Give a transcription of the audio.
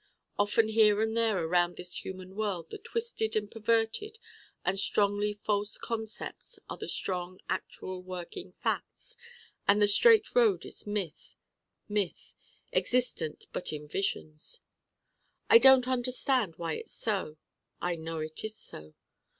often here and there around this human world the twisted and perverted and strongly false concepts are the strong actual working facts and the straight road is myth myth existent but in visions I don't understand why it's so: I know it is so.